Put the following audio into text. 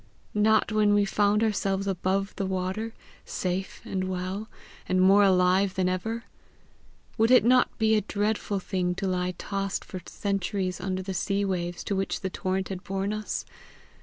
not when we found ourselves above the water, safe and well, and more alive than ever? Would it not be a dreadful thing to lie tossed for centuries under the sea waves to which the torrent had borne us?